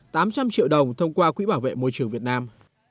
tám trăm linh triệu đồng thông qua quỹ bảo vệ môi trường việt nam